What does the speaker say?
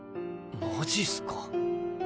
マジすか。